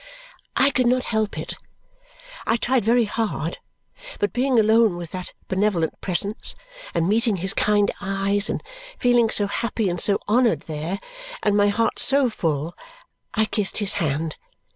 I could not help it; I tried very hard, but being alone with that benevolent presence, and meeting his kind eyes, and feeling so happy and so honoured there, and my heart so full I kissed his hand.